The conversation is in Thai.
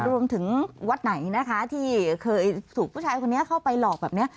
รวมถึงวัดไหนนะคะที่เคยถูกผู้ชายคนนี้เข้าไปหลอกแบบนี้